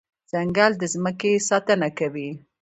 ځنګل د ځمکې ساتنه کوي.